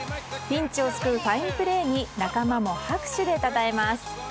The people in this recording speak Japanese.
ピンチを救うファインプレーに仲間も拍手でたたえます。